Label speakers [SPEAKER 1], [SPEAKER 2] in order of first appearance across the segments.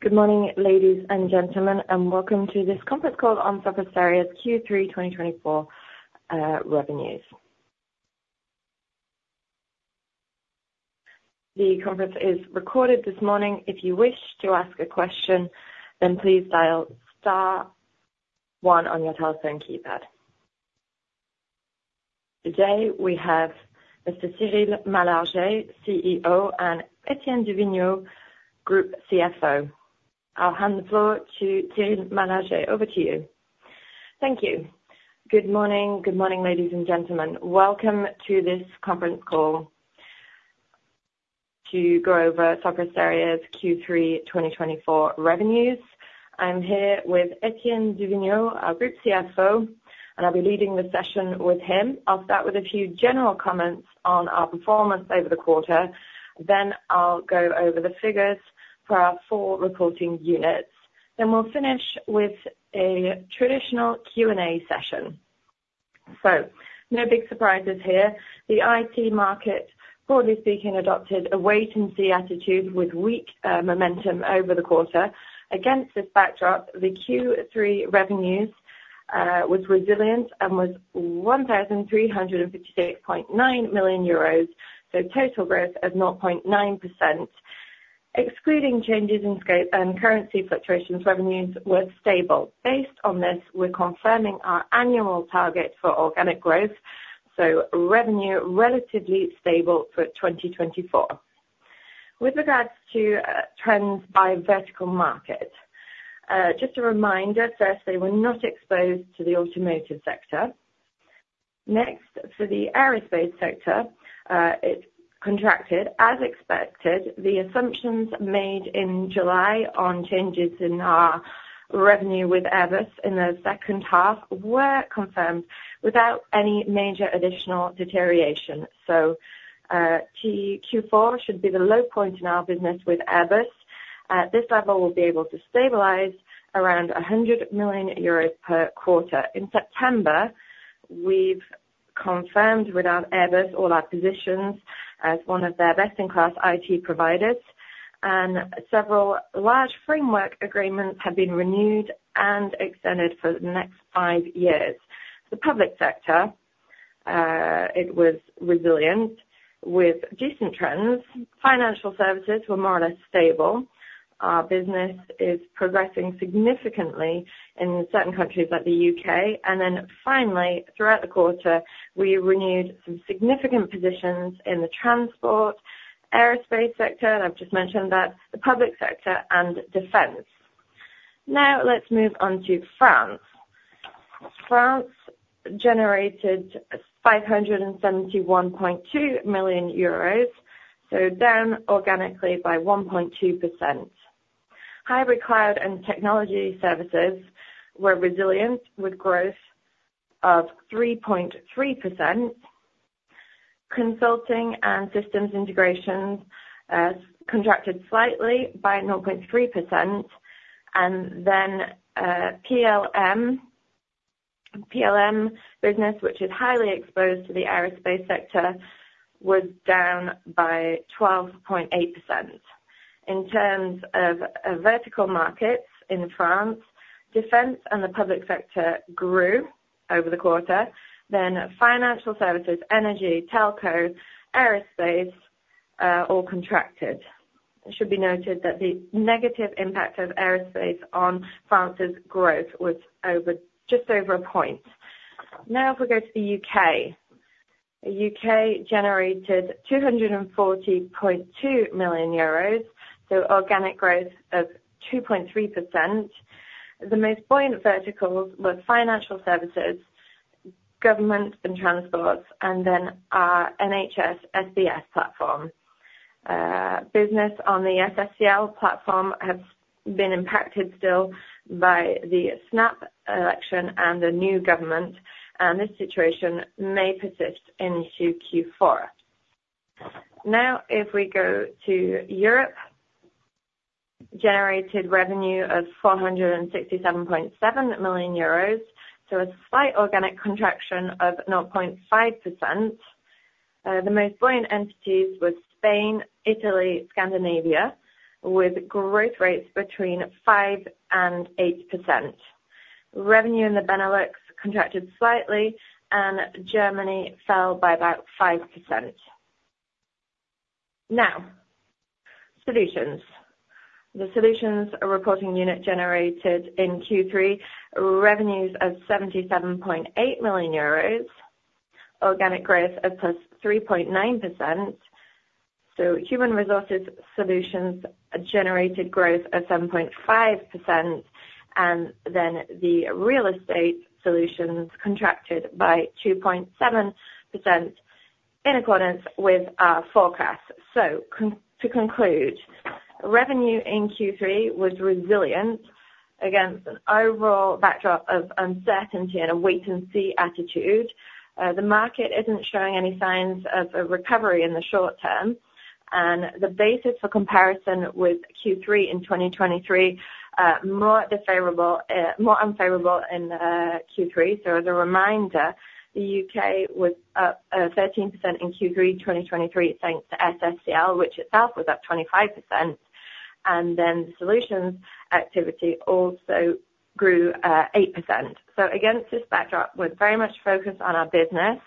[SPEAKER 1] Good morning, ladies and gentlemen, and welcome to this conference call on Sopra Steria's Q3 2024 revenues. The conference is recorded this morning. If you wish to ask a question, then please dial star one on your telephone keypad. Today, we have Mr. Cyril Malargé, CEO, and Étienne du Vignaux, Group CFO. I'll hand the floor to Cyril Malargé. Over to you.
[SPEAKER 2] Thank you. Good morning. Good morning, ladies and gentlemen. Welcome to this conference call to go over Sopra Steria's Q3 2024 revenues. I'm here with Étienne du Vignaux, our Group CFO, and I'll be leading the session with him. I'll start with a few general comments on our performance over the quarter. Then I'll go over the figures for our four reporting units. Then we'll finish with a traditional Q&A session. So no big surprises here. The IT market, broadly speaking, adopted a wait-and-see attitude with weak momentum over the quarter. Against this backdrop, the Q3 revenues were resilient and were 1,356.9 million euros, so total growth of 0.9%. Excluding changes in scope and currency fluctuations, revenues were stable. Based on this, we're confirming our annual target for organic growth, so revenue relatively stable for 2024. With regards to trends by vertical market, just a reminder, first, they were not exposed to the automotive sector. Next, for the aerospace sector, it contracted as expected. The assumptions made in July on changes in our revenue with Airbus in the second half were confirmed without any major additional deterioration. So Q4 should be the low point in our business with Airbus. At this level, we'll be able to stabilize around 100 million euros per quarter. In September, we've confirmed with Airbus all our positions as one of their best-in-class IT providers, and several large framework agreements have been renewed and extended for the next five years. The public sector, it was resilient with decent trends. Financial services were more or less stable. Our business is progressing significantly in certain countries like the U.K. and then finally, throughout the quarter, we renewed some significant positions in the transport, aerospace sector, and I've just mentioned that, the public sector, and defense. Now let's move on to France. France generated 571.2 million euros, so down organically by 1.2%. Hybrid Cloud and Technology Services were resilient with growth of 3.3%. Consulting and Systems Integration contracted slightly by 0.3%, and then PLM business, which is highly exposed to the aerospace sector, was down by 12.8%. In terms of vertical markets in France, defense and the public sector grew over the quarter. Then financial services, energy, telco, aerospace all contracted. It should be noted that the negative impact of aerospace on France's growth was just over a point. Now, if we go to the U.K., the U.K. generated 240.2 million euros, so organic growth of 2.3%. The most buoyant verticals were financial services, government and transport, and then our NHS SBS platform. Business on the SSCL platform has been impacted still by the snap election and the new government, and this situation may persist into Q4. Now, if we go to Europe, generated revenue of 467.7 million euros, so a slight organic contraction of 0.5%. The most buoyant entities were Spain, Italy, and Scandinavia, with growth rates between 5% and 8%. Revenue in the Benelux contracted slightly, and Germany fell by about 5%. Now, Solutions. The Solutions reporting unit generated in Q3 revenues of 77.8 million euros, organic growth of plus 3.9%. Human Resources Solutions generated growth of 7.5%, and then the Real Estate Solutions contracted by 2.7% in accordance with our forecast. To conclude, revenue in Q3 was resilient against an overall backdrop of uncertainty and a wait-and-see attitude. The market isn't showing any signs of a recovery in the short term, and the basis for comparison with Q3 in 2023, more unfavorable in Q3. As a reminder, the U.K. was up 13% in Q3 2023 thanks to SSCL, which itself was up 25%. Then solutions activity also grew 8%. Against this backdrop, we're very much focused on our business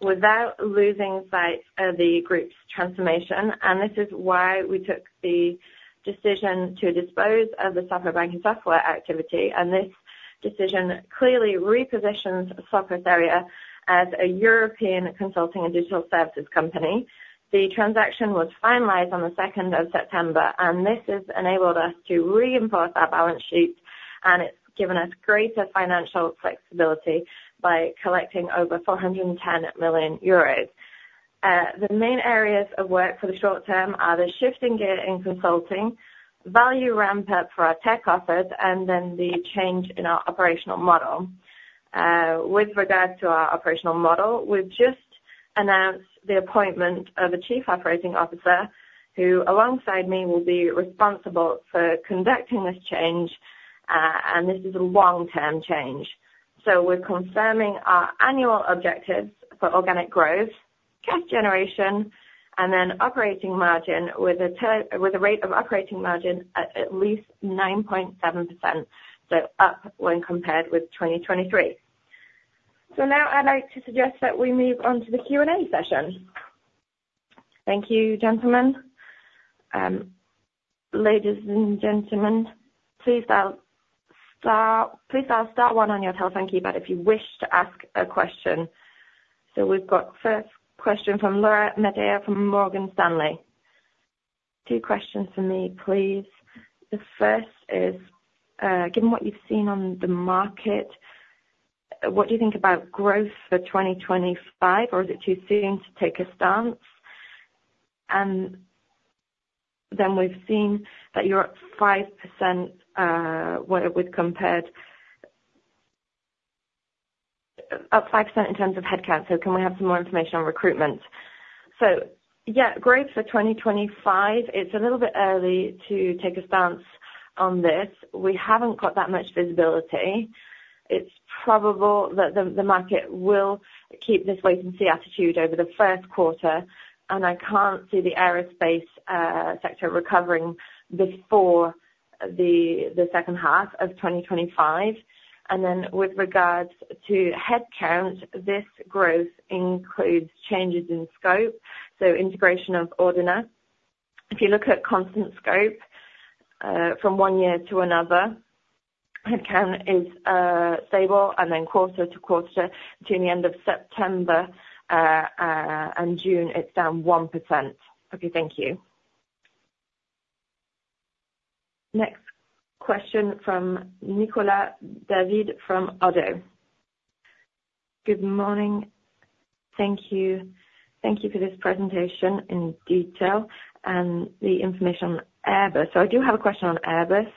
[SPEAKER 2] without losing sight of the group's transformation. This is why we took the decision to dispose of the Sopra Banking Software activity. This decision clearly repositions Sopra Steria as a European consulting and digital services company. The transaction was finalized on the 2nd of September, and this has enabled us to reinforce our balance sheet, and it's given us greater financial flexibility by collecting over 410 million euros. The main areas of work for the short term are the shifting gear in consulting, value ramp-up for our Tech Office, and then the change in our operational model. With regards to our operational model, we've just announced the appointment of a Chief Operating Officer who, alongside me, will be responsible for conducting this change, and this is a long-term change. So we're confirming our annual objectives for organic growth, cash generation, and then operating margin with a rate of operating margin at least 9.7%, so up when compared with 2023. So now I'd like to suggest that we move on to the Q&A session.
[SPEAKER 1] Thank you. Ladies and gentlemen, please press one on your telephone keypad if you wish to ask a question. We've got the first question from Laura Metayer from Morgan Stanley.
[SPEAKER 3] Two questions for me, please. The first is, given what you've seen on the market, what do you think about growth for 2025, or is it too soon to take a stance? And then we've seen that you're up 5%. What it would compare to up 5% in terms of headcount. So can we have some more information on recruitment?
[SPEAKER 2] Yeah, growth for 2025. It's a little bit early to take a stance on this. We haven't got that much visibility. It's probable that the market will keep this wait-and-see attitude over the first quarter, and I can't see the aerospace sector recovering before the second half of 2025. With regards to headcount, this growth includes changes in scope, so integration of Ordina. If you look at constant scope from one year to another, headcount is stable, and then quarter to quarter to the end of September and June, it's down 1%.
[SPEAKER 3] Okay, thank you.
[SPEAKER 1] Next question from Nicolas David from ODDO BHF.
[SPEAKER 4] Good morning. Thank you. Thank you for this presentation in detail and the information on Airbus. So I do have a question on Airbus.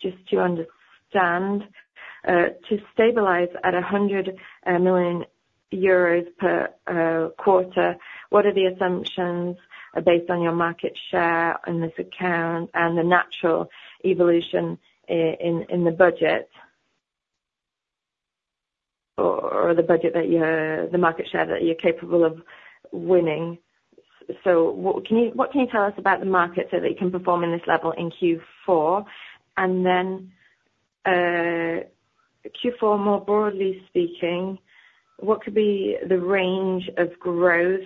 [SPEAKER 4] Just to understand, to stabilize at 100 million euros per quarter, what are the assumptions based on your market share in this account and the natural evolution in the budget or the market share that you're capable of winning? So what can you tell us about the market so that you can perform in this level in Q4? And then Q4, more broadly speaking, what could be the range of growth?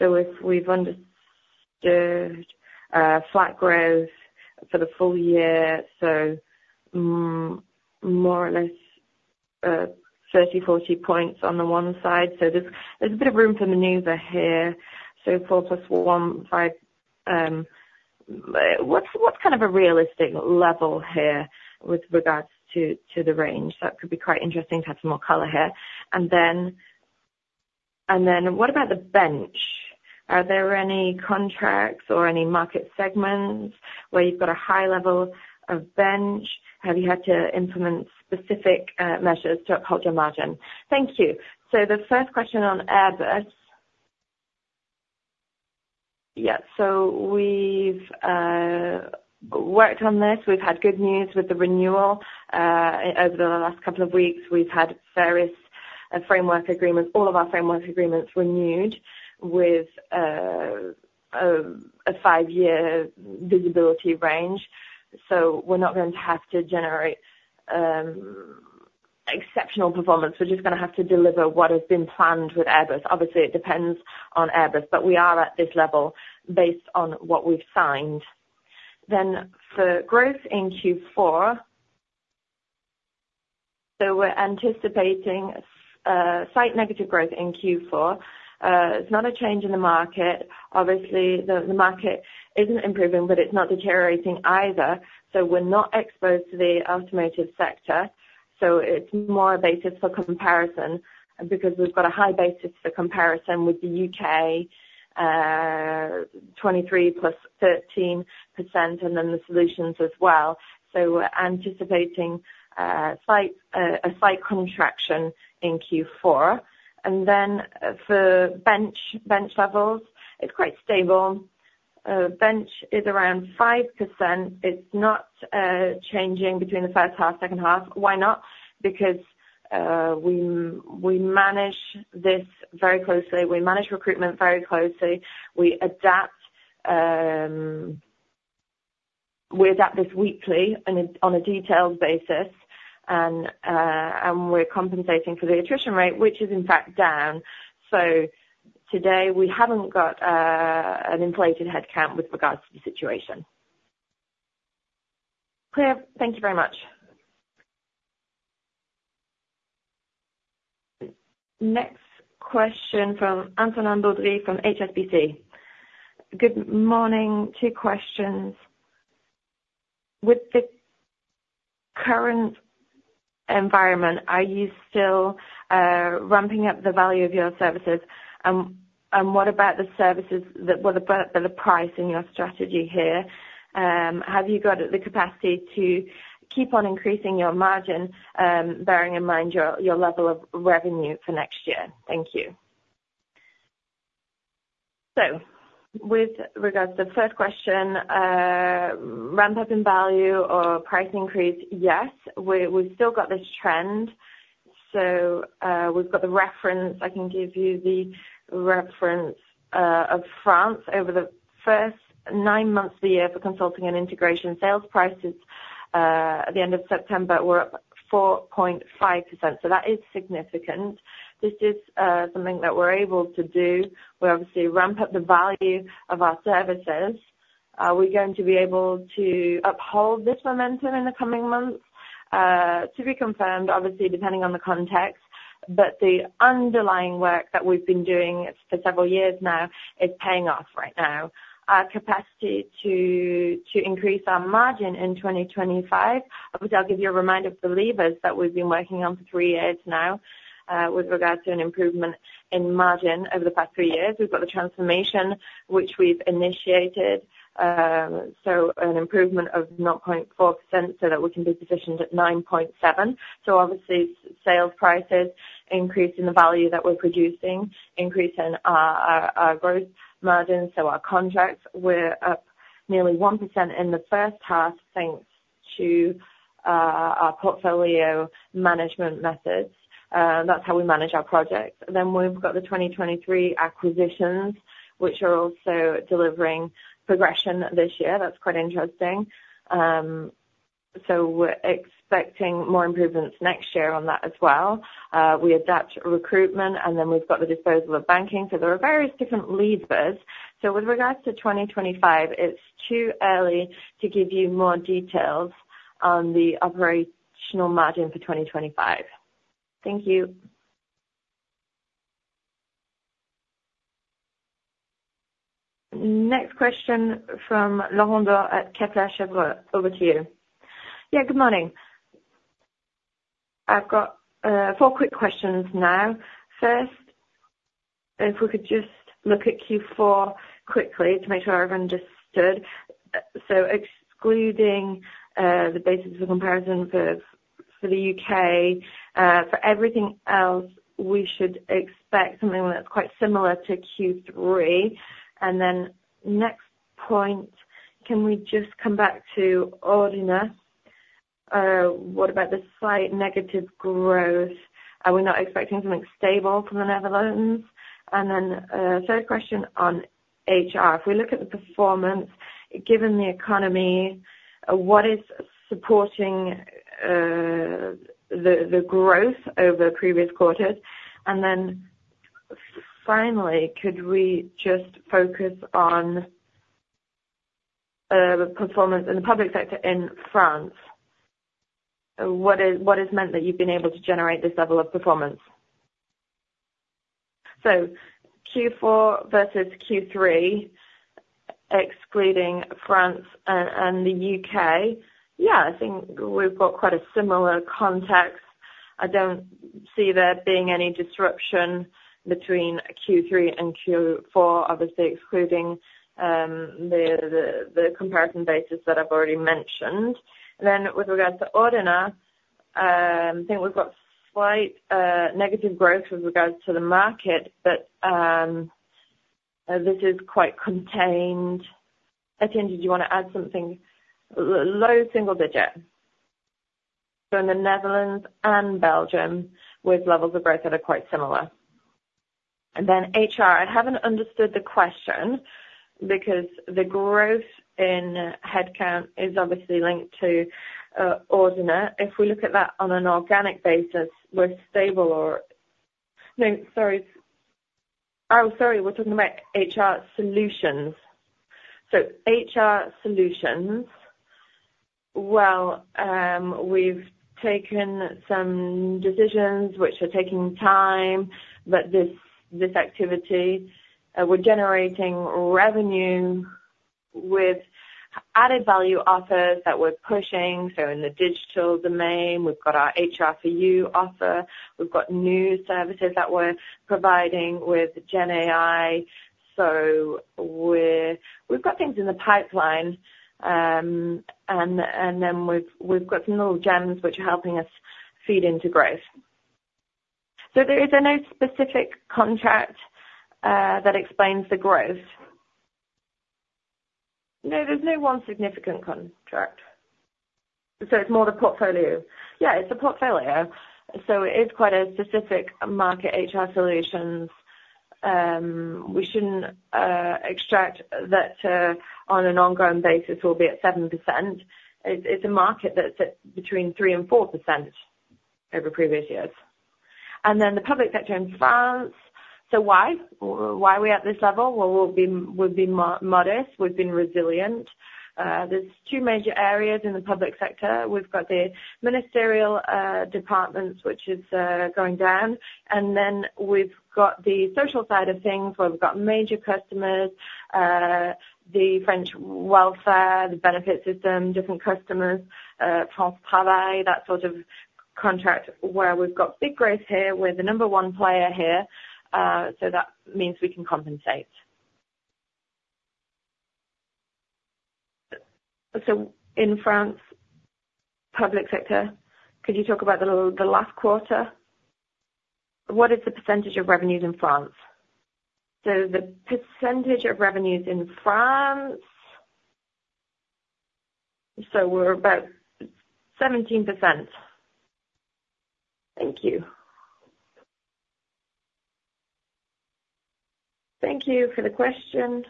[SPEAKER 4] If we've understood flat growth for the full year, so more or less 30-40 points on the one side. There's a bit of room for maneuver here. So 4+1=5. What's kind of a realistic level here with regards to the range? That could be quite interesting to have some more color here. And then what about the bench? Are there any contracts or any market segments where you've got a high level of bench? Have you had to implement specific measures to uphold your margin? Thank you. The first question on Airbus.
[SPEAKER 2] Yeah, so we've worked on this. We've had good news with the renewal. Over the last couple of weeks, we've had various framework agreements, all of our framework agreements renewed with a five-year visibility range. So we're not going to have to generate exceptional performance. We're just going to have to deliver what has been planned with Airbus. Obviously, it depends on Airbus, but we are at this level based on what we've signed. Then for growth in Q4, so we're anticipating slight negative growth in Q4. It's not a change in the market. Obviously, the market isn't improving, but it's not deteriorating either. So we're not exposed to the automotive sector. So it's more a basis for comparison because we've got a high basis for comparison with the U.K., 23%+13%, and then the solutions as well. So we're anticipating a slight contraction in Q4, and then for bench levels, it's quite stable. Bench is around 5%. It's not changing between the first half, second half. Why not? Because we manage this very closely. We manage recruitment very closely. We adapt this weekly on a detailed basis, and we're compensating for the attrition rate, which is in fact down. So today, we haven't got an inflated headcount with regards to the situation. Clear?
[SPEAKER 4] Thank you very much.
[SPEAKER 1] Next question from Antonin Baudry from HSBC.
[SPEAKER 5] Good morning. Two questions. With the current environment, are you still ramping up the value of your services? And what about the services that were repriced in your strategy here? Have you got the capacity to keep on increasing your margin, bearing in mind your level of revenue for next year? Thank you.
[SPEAKER 2] So with regards to the first question, ramp-up in value or price increase, yes. We've still got this trend. So we've got the reference. I can give you the reference of France over the first nine months of the year for consulting and integration. Sales prices at the end of September were up 4.5%. So that is significant. This is something that we're able to do. We obviously ramp up the value of our services. Are we going to be able to uphold this momentum in the coming months? To be confirmed, obviously, depending on the context. But the underlying work that we've been doing for several years now is paying off right now. Our capacity to increase our margin in 2025, obviously, I'll give you a reminder for the levers that we've been working on for three years now with regards to an improvement in margin over the past three years. We've got the transformation, which we've initiated, so an improvement of 0.4% so that we can be positioned at 9.7%. So obviously, sales prices increase in the value that we're producing, increase in our gross margin. Our contracts were up nearly 1% in the first half thanks to our portfolio management methods. That's how we manage our projects. Then we've got the 2023 acquisitions, which are also delivering progression this year. That's quite interesting. We're expecting more improvements next year on that as well. We adapt recruitment, and then we've got the disposal of banking. There are various different levers. With regards to 2025, it's too early to give you more details on the operating margin for 2025.
[SPEAKER 5] Thank you.
[SPEAKER 1] Next question from Laurent Daure at Kepler Cheuvreux. Over to you.
[SPEAKER 6] Yeah, good morning. I've got four quick questions now. First, if we could just look at Q4 quickly to make sure I've understood. Excluding the basis for comparison for the U.K., for everything else, we should expect something that's quite similar to Q3. Next point, can we just come back to Ordina? What about the slight negative growth? Are we not expecting something stable from the Netherlands? Third question on HR. If we look at the performance, given the economy, what is supporting the growth over previous quarters? Finally, could we just focus on the performance in the public sector in France? What has meant that you've been able to generate this level of performance?
[SPEAKER 2] Q4 versus Q3, excluding France and the U.K., yeah, I think we've got quite a similar context. I don't see there being any disruption between Q3 and Q4, obviously excluding the comparison basis that I've already mentioned. Then, with regards to Ordina, I think we've got slight negative growth with regards to the market, but this is quite contained. Étienne, did you want to add something?
[SPEAKER 7] Low single digit. So, in the Netherlands and Belgium, with levels of growth that are quite similar. And then, HR. I haven't understood the question because the growth in headcount is obviously linked to Ordina. If we look at that on an organic basis, we're stable or no, sorry. Oh, sorry, we're talking about HR solutions. So, HR solutions. Well, we've taken some decisions which are taking time, but this activity we're generating revenue with added value offers that we're pushing. So, in the digital domain, we've got our HR4YOU offer. We've got new services that we're providing with GenAI. We've got things in the pipeline, and then we've got some little gems which are helping us feed into growth.
[SPEAKER 6] So there is no specific contract that explains the growth?
[SPEAKER 7] No, there's no one significant contract.
[SPEAKER 6] So it's more the portfolio.
[SPEAKER 2] Yeah, it's the portfolio. So it is quite a specific market, HR solutions. We shouldn't extract that on an ongoing basis or be at 7%. It's a market that's between 3% and 4% over previous years. And then the public sector in France. So why? Why are we at this level? We've been modest. We've been resilient. There's two major areas in the public sector. We've got the ministerial departments, which is going down. And then we've got the social side of things where we've got major customers, the French welfare, the benefit system, different customers, France Travail that sort of contract where we've got big growth here. We're the number one player here. So that means we can compensate.
[SPEAKER 6] So in France, public sector, could you talk about the last quarter? What is the percentage of revenues in France?
[SPEAKER 2] So the percentage of revenues in France, so we're about 17%.
[SPEAKER 6] Thank you.
[SPEAKER 1] Thank you for the question.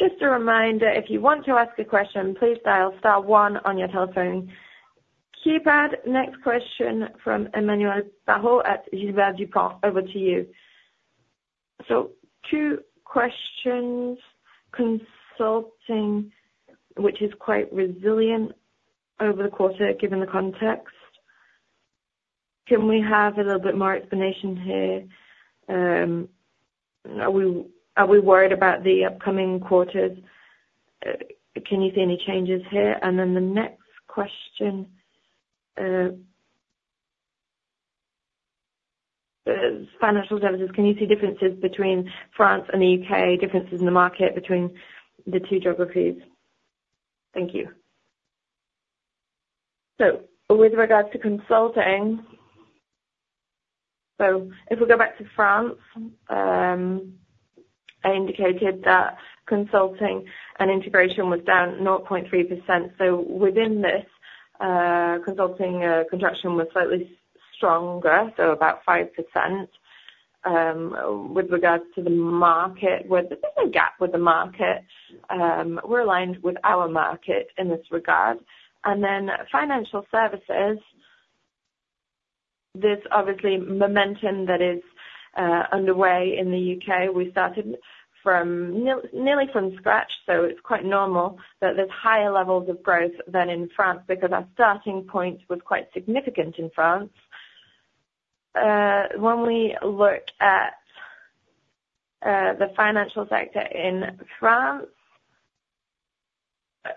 [SPEAKER 1] Just a reminder, if you want to ask a question, please dial star one on your telephone keypad. Next question from Emmanuel Parot at Invest Securities. Over to you. So two questions. Consulting, which is quite resilient over the quarter given the context. Can we have a little bit more explanation here? Are we worried about the upcoming quarters? Can you see any changes here? The next question. Financial services, can you see differences between France and the U.K.? Differences in the market between the two geographies? Thank you.
[SPEAKER 2] With regards to consulting, if we go back to France, I indicated that consulting and integration was down 0.3%. Within this, consulting contraction was slightly stronger, about 5%. With regards to the market, there's a gap with the market. We're aligned with our market in this regard. Financial services, there's obviously momentum that is underway in the U.K. We started nearly from scratch, so it's quite normal that there's higher levels of growth than in France because our starting point was quite significant in France. When we look at the financial sector in France,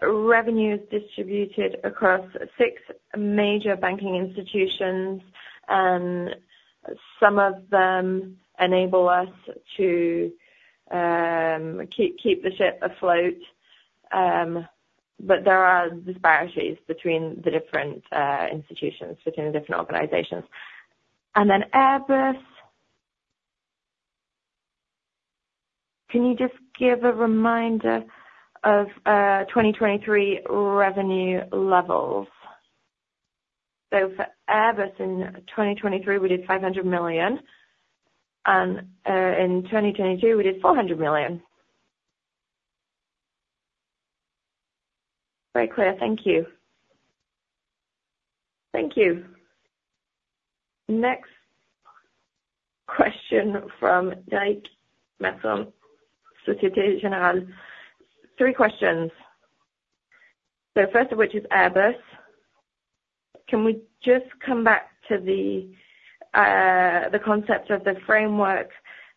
[SPEAKER 2] revenues distributed across six major banking institutions, and some of them enable us to keep the ship afloat. But there are disparities between the different institutions, between the different organizations. And then Airbus, can you just give a reminder of 2023 revenue levels? So for Airbus in 2023, we did 500 million. And in 2022, we did 400 million. Very clear. Thank you. Thank you.
[SPEAKER 1] Next question from Derric Marcon, Société Générale.
[SPEAKER 8] Three questions. The first of which is Airbus. Can we just come back to the concept of the framework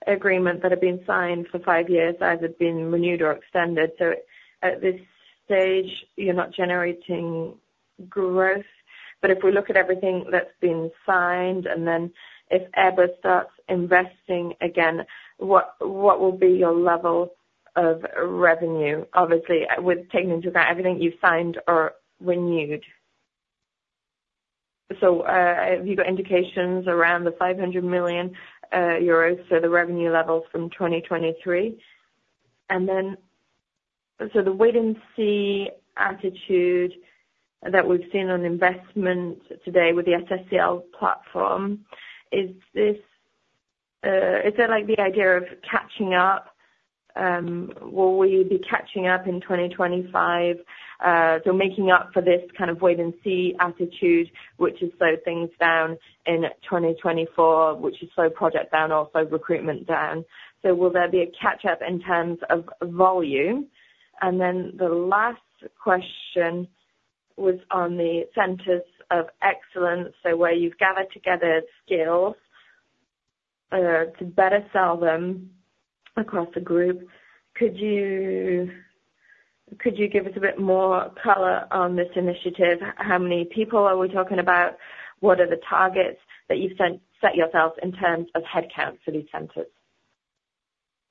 [SPEAKER 8] agreement that had been signed for five years as it had been renewed or extended? So at this stage, you're not generating growth. But if we look at everything that's been signed, and then if Airbus starts investing again, what will be your level of revenue, obviously, with taking into account everything you've signed or renewed? So have you got indications around the 500 million euros, so the revenue levels from 2023? And then so the wait-and-see attitude that we've seen on investment today with the SSCL platform, is there the idea of catching up? Will we be catching up in 2025? So making up for this kind of wait-and-see attitude, which is slow things down in 2024, which is slow project down, also recruitment down. So will there be a catch-up in terms of volume? And then the last question was on the centers of excellence, so where you've gathered together skills to better sell them across the group. Could you give us a bit more color on this initiative? How many people are we talking about? What are the targets that you've set yourself in terms of headcount for these centers?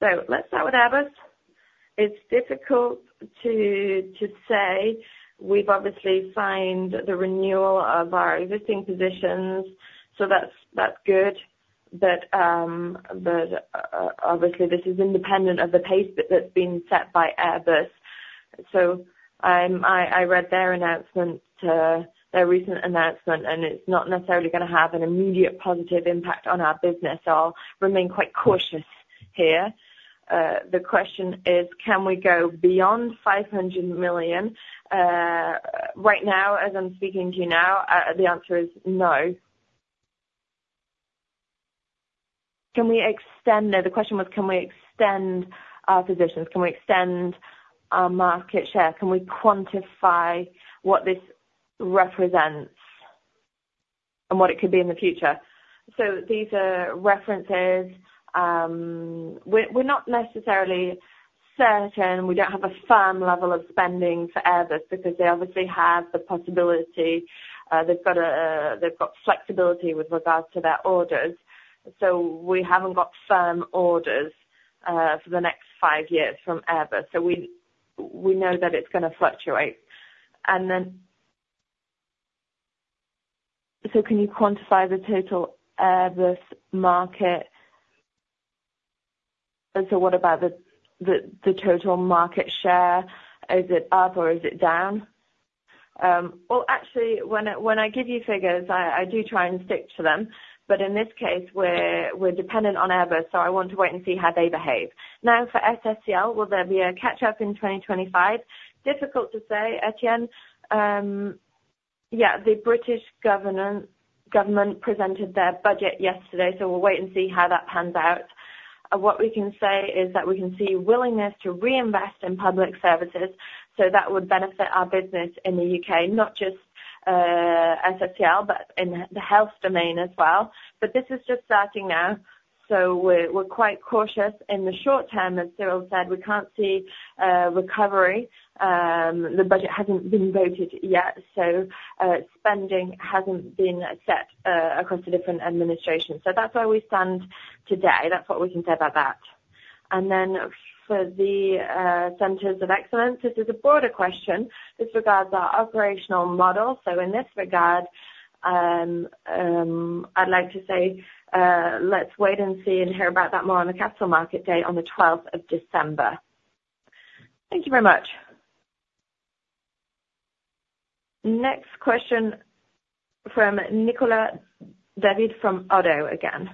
[SPEAKER 2] So let's start with Airbus. It's difficult to say. We've obviously signed the renewal of our existing positions, so that's good. But obviously, this is independent of the pace that's been set by Airbus. So I read their recent announcement, and it's not necessarily going to have an immediate positive impact on our business, so I'll remain quite cautious here. The question is, can we go beyond 500 million? Right now, as I'm speaking to you now, the answer is no.
[SPEAKER 8] Can we extend? No, the question was, can we extend our positions? Can we extend our market share? Can we quantify what this represents and what it could be in the future?
[SPEAKER 2] So these are references. We're not necessarily certain. We don't have a firm level of spending for Airbus because they obviously have the possibility. They've got flexibility with regards to their orders. So we haven't got firm orders for the next five years from Airbus. So we know that it's going to fluctuate.
[SPEAKER 8] And then, so can you quantify the total Airbus market? And so, what about the total market share? Is it up or is it down?
[SPEAKER 2] Well, actually, when I give you figures, I do try and stick to them. But in this case, we're dependent on Airbus, so I want to wait and see how they behave. Now, for SSCL, will there be a catch-up in 2025? Difficult to say, Étienne.
[SPEAKER 7] Yeah, the British government presented their budget yesterday, so we'll wait and see how that pans out. What we can say is that we can see willingness to reinvest in public services, so that would benefit our business in the U.K., not just SSCL, but in the health domain as well, but this is just starting now, so we're quite cautious in the short term. As Cyril said, we can't see recovery. The budget hasn't been voted yet, so spending hasn't been set across the different administrations. So that's where we stand today. That's what we can say about that. And then for the centers of excellence, this is a broader question with regards to our operational model. So in this regard, I'd like to say let's wait and see and hear about that more on the Capital Markets Day on the 12th of December.
[SPEAKER 8] Thank you very much.
[SPEAKER 1] Next question from Nicolas David from ODDO again.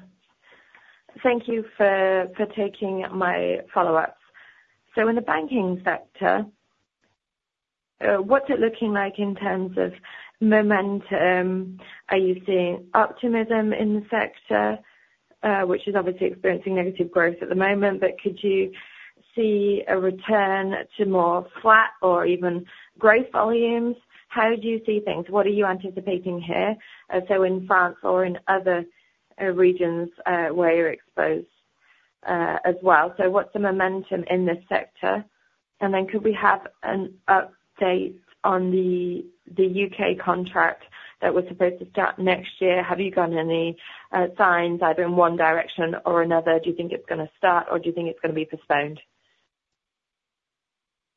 [SPEAKER 4] Thank you for taking my follow-ups. So in the banking sector, what's it looking like in terms of momentum? Are you seeing optimism in the sector, which is obviously experiencing negative growth at the moment? But could you see a return to more flat or even growth volumes? How do you see things? What are you anticipating here? So in France or in other regions where you're exposed as well. So what's the momentum in this sector? And then could we have an update on the U.K. contract that was supposed to start next year? Have you got any signs either in one direction or another? Do you think it's going to start, or do you think it's going to be postponed?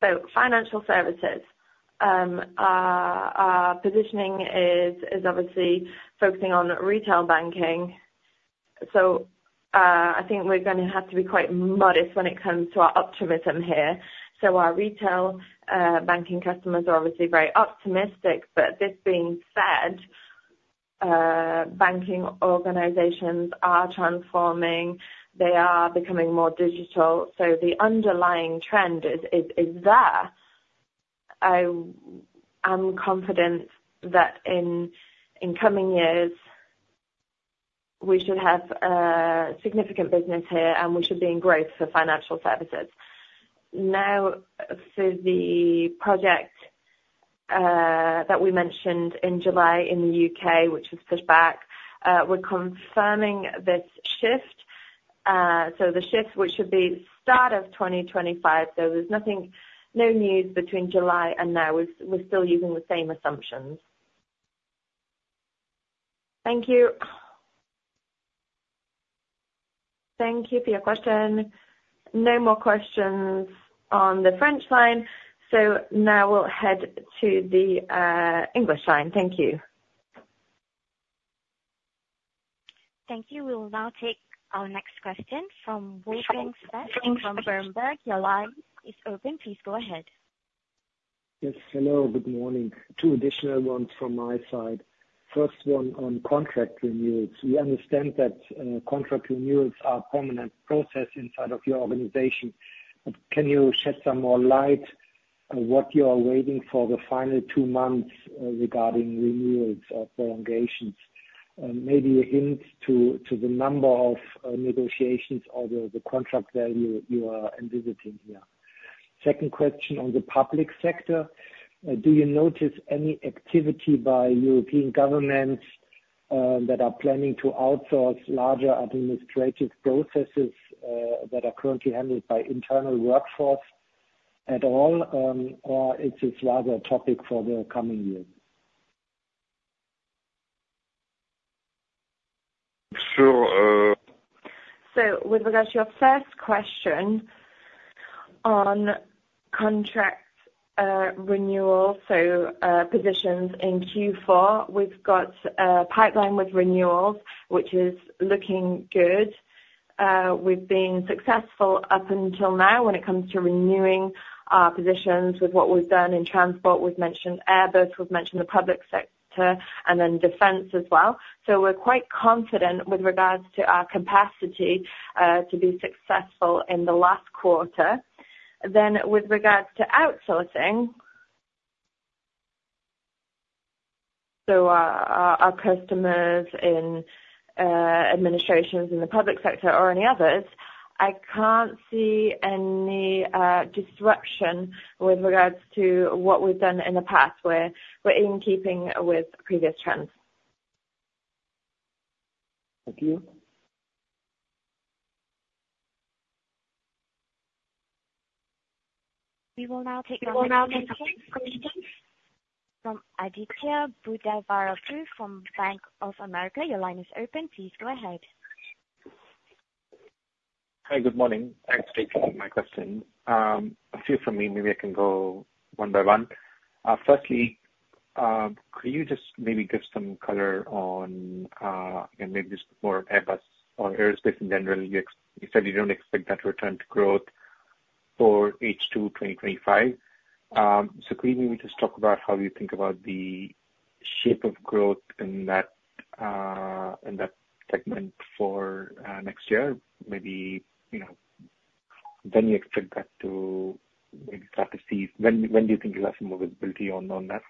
[SPEAKER 2] So financial services, our positioning is obviously focusing on retail banking. So I think we're going to have to be quite modest when it comes to our optimism here. So our retail banking customers are obviously very optimistic. But this being said, banking organizations are transforming. They are becoming more digital. So the underlying trend is there. I'm confident that in coming years, we should have significant business here, and we should be in growth for financial services. Now, for the project that we mentioned in July in the U.K., which was pushed back, we're confirming this shift. So the shift, which should be start of 2025, so there's no news between July and now. We're still using the same assumptions.
[SPEAKER 4] Thank you.
[SPEAKER 2] Thank you for your question. No more questions on the French line. So now we'll head to the English line. Thank you.
[SPEAKER 1] Thank you. We will now take our next question from Wolfgang Specht from Berenberg. Your line is open. Please go ahead.
[SPEAKER 9] Yes. Hello. Good morning. Two additional ones from my side. First one on contract renewals. We understand that contract renewals are a permanent process inside of your organization. Can you shed some more light on what you are waiting for the final two months regarding renewals or prolongations? Maybe a hint to the number of negotiations or the contract value you are envisaging here? Second question on the public sector. Do you notice any activity by European governments that are planning to outsource larger administrative processes that are currently handled by internal workforce at all, or is this rather a topic for the coming years?
[SPEAKER 2] Sure. So with regards to your first question on contract renewals, so positions in Q4, we've got a pipeline with renewals, which is looking good. We've been successful up until now when it comes to renewing our positions with what we've done in transport. We've mentioned Airbus. We've mentioned the public sector and then defense as well. So we're quite confident with regards to our capacity to be successful in the last quarter. Then with regards to outsourcing, so our customers in administrations in the public sector or any others, I can't see any disruption with regards to what we've done in the past where we're in keeping with previous trends.
[SPEAKER 9] Thank you.
[SPEAKER 1] We will now take a question from Aditya Buddhavarapu from Bank of America. Your line is open. Please go ahead.
[SPEAKER 10] Hi. Good morning. Thanks for taking my question. A few from me. Maybe I can go one by one. Firstly, could you just maybe give some color on, and maybe just more Airbus or Aerospace in general? You said you don't expect that to return to growth for H2 2025. So could you maybe just talk about how you think about the shape of growth in that segment for next year? Maybe when you expect that to maybe start to see when do you think you'll have some more visibility on that?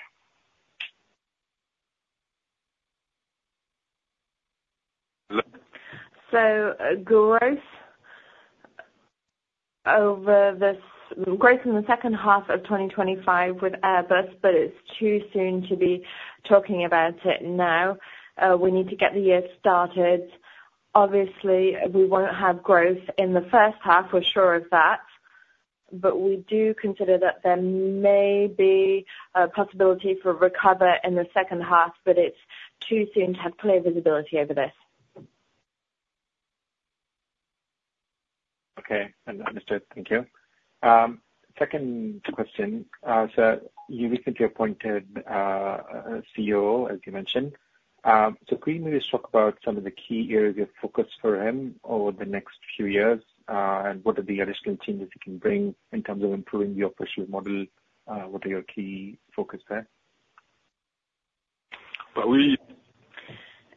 [SPEAKER 2] So growth over this growth in the second half of 2025 with Airbus, but it's too soon to be talking about it now. We need to get the year started. Obviously, we won't have growth in the first half. We're sure of that. But we do consider that there may be a possibility for recovery in the second half, but it's too soon to have clear visibility over this.
[SPEAKER 10] Okay. Understood. Thank you. Second question. So you recently appointed a COO, as you mentioned. So could you maybe just talk about some of the key areas of focus for him over the next few years? And what are the additional changes you can bring in terms of improving the operational model? What are your key focus there?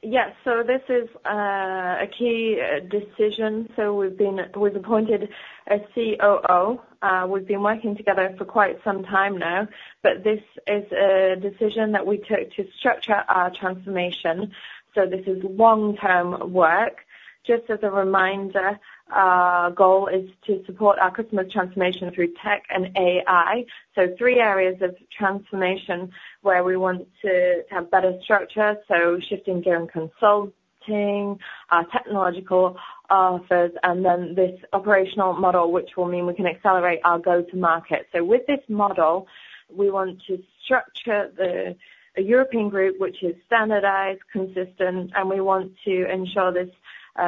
[SPEAKER 2] Yes. So this is a key decision. So we've appointed a COO. We've been working together for quite some time now. But this is a decision that we took to structure our transformation. So this is long-term work. Just as a reminder, our goal is to support our customer's transformation through tech and AI. So three areas of transformation where we want to have better structure. So shifting gear and consulting, our technological offers, and then this operational model, which will mean we can accelerate our go-to-market. So with this model, we want to structure the European group, which is standardized, consistent, and we want to ensure this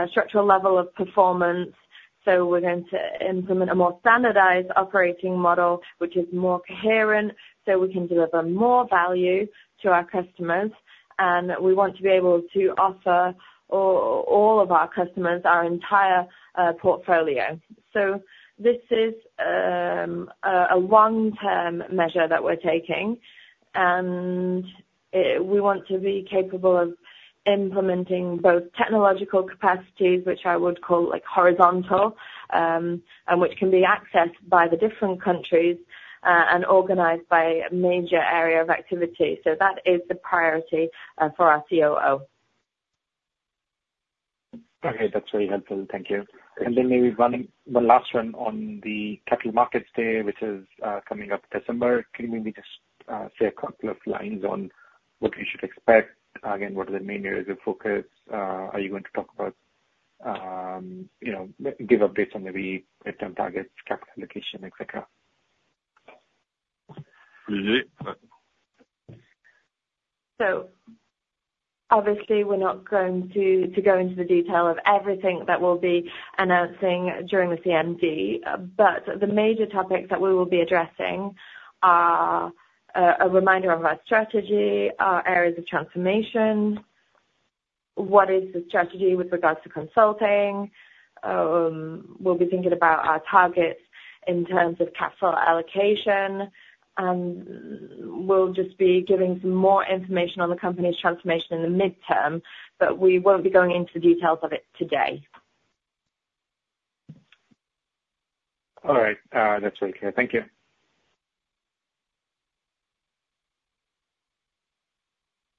[SPEAKER 2] structural level of performance. So we're going to implement a more standardized operating model, which is more coherent, so we can deliver more value to our customers. And we want to be able to offer all of our customers our entire portfolio. So this is a long-term measure that we're taking. And we want to be capable of implementing both technological capacities, which I would call horizontal, and which can be accessed by the different countries and organized by a major area of activity. So that is the priority for our COO.
[SPEAKER 10] Okay. That's very helpful. Thank you. And then maybe one last one on the Capital Markets Day, which is coming up December. Can you maybe just say a couple of lines on what we should expect? Again, what are the main areas of focus? Are you going to talk about give updates on maybe return targets, capital allocation, etc.?
[SPEAKER 2] So obviously, we're not going to go into the detail of everything that we'll be announcing during the CMD. But the major topics that we will be addressing are a reminder of our strategy, our areas of transformation, what is the strategy with regards to consulting. We'll be thinking about our targets in terms of capital allocation. And we'll just be giving some more information on the company's transformation in the midterm, but we won't be going into the details of it today.
[SPEAKER 10] All right. That's very clear. Thank you.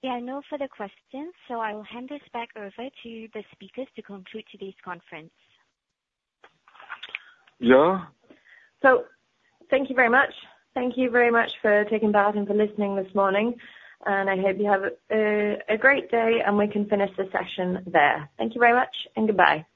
[SPEAKER 1] Yeah. No further questions. So I will hand this back over to the speakers to conclude today's conference.
[SPEAKER 2] Yeah. So thank you very much. Thank you very much for taking part and for listening this morning. And I hope you have a great day, and we can finish the session there. Thank you very much, and goodbye.